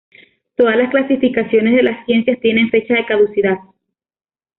Todas las clasificaciones de las ciencias tienen fecha de caducidad.